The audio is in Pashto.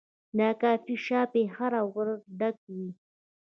دا کافي شاپ هره ورځ ډک وي.